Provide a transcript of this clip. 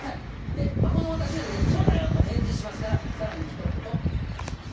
で孫の私が「そうだよ」と返事しますからさらに一言お願いいたします。